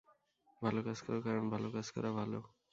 ভাল কাজ কর, কারণ ভাল কাজ করা ভাল।